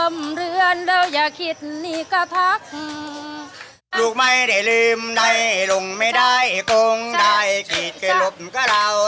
มาว่าอย่าโม่แล้วอย่าลืมไปหลอดประตูชุมพล